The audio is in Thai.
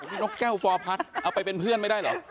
นกแก้วฟอร์พัสเอาไปเป็นเพื่อนไม่ได้เหรอ